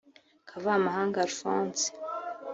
Kavamahanga Alphonse